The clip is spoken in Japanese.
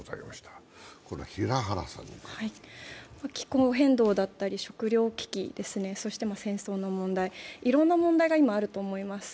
気候変動だったり食料危機、そして戦争の問題、いろんな問題が今あると思います。